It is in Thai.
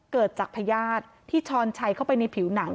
๒เกิดจากพยาศาสตร์ที่ชอนใช้เข้าไปในผิวหนัง